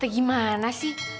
tante gimana sih